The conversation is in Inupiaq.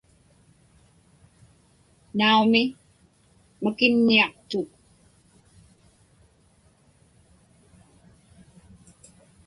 Naumi, makinniaqtuk.